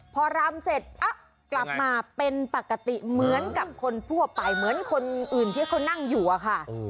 พอรำเสร็จกลับมาเป็นปกติเหมือนกับคนทั่วไปเหมือนคนอื่นที่เขานั่งอยู่อะค่ะ